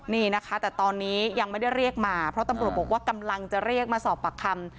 นี่นะคะแต่ตอนนี้ยังไม่ได้เรียกมาเพราะตำรวจบอกว่ากำลังจะเรียกมาสอบปากคำ